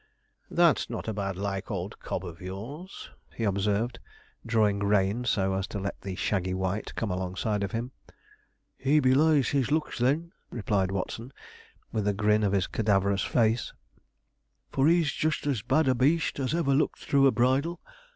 'That's not a bad like old cob of yours,' he observed, drawing rein so as to let the shaggy white come alongside of him. 'He belies his looks, then,' replied Watson, with a grin of his cadaverous face, 'for he's just as bad a beast as ever looked through a bridle.